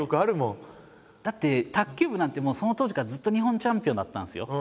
だって卓球部なんてその当時からずっと日本チャンピオンだったんですよ。